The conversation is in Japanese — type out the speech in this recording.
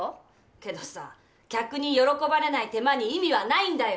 けどさ客に喜ばれない手間に意味はないんだよ